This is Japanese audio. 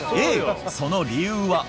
その理由は。